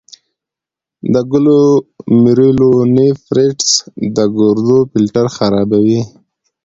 د ګلومیرولونیفریټس د ګردو فلټر خرابوي.